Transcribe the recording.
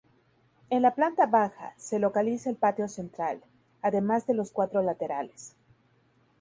En la planta baja, se localiza el patio central, además de los cuatro laterales.